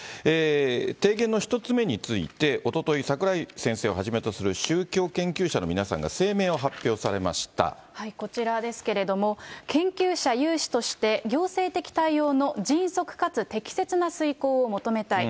提言の１つ目について、おととい、櫻井先生をはじめとする宗教研究者の皆さんが声明を発表されましこちらですけれども、研究者有志として行政的対応の迅速かつ適切な遂行を求めたい。